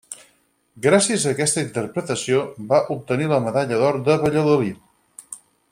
Gràcies a aquesta interpretació va obtenir la Medalla d'Or de Valladolid.